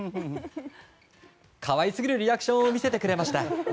可愛すぎるリアクションを見せてくれましたが。